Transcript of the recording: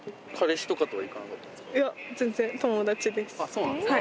そうなんですか。